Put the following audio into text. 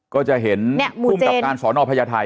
ก็จะเห็นภูมิกับการสอนอพญาไทย